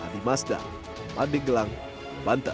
adi mazda adik gelang banten